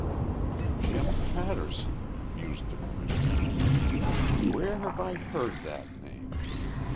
"Jim Patterson," mused the commissioner. "Where have I heard that name....